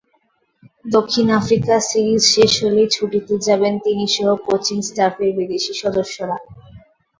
দক্ষিণ Africa series শেষ হলেই ছুটিতে যাবেন তিনিসহ কোচিং স্টাফের বিদেশি সদস্যরা।